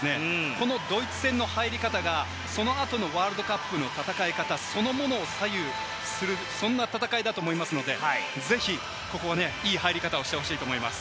このドイツ戦の入り方が、そのあとのワールドカップの戦い方、そのものを左右する、そんな戦いだと思いますので、ぜひここはね、いい入り方をしてほしいと思います。